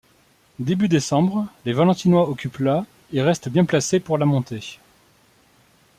Début décembre, les Valentinois occupent la et restent bien placés pour la montée.